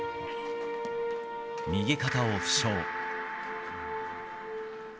右肩を負傷。